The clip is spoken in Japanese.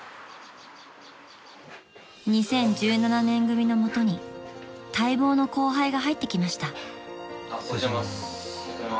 ［２０１７年組のもとに待望の後輩が入ってきました］